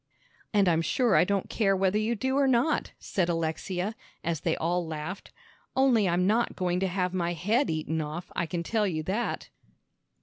"And I'm sure I don't care whether you do or not," said Alexia, as they all laughed, "only I'm not going to have my head eaten off, I can tell you that."